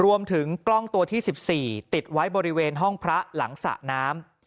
รวมถึงกล้องตัวที่๑๔ติดไว้บริเวณห้องพระหลังสระน้ำ